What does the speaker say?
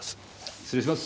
失礼します。